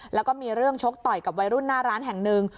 แล้วก็มีเรื่องชกต่อยกับวัยรุ่นหน้าร้านแห่งหนึ่ง